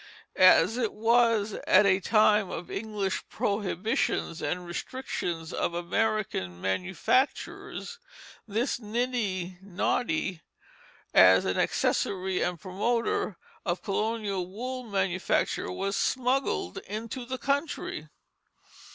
As it was at a time of English prohibitions and restrictions of American manufactures, this niddy noddy, as an accessory and promoter of colonial wool manufacture, was smuggled into the country.